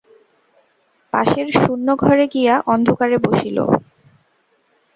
পাশের শূন্য ঘরে গিয়া অন্ধকারে বসিল।